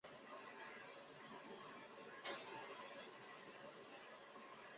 东坝镇是中国四川省南充市南部县的一个镇。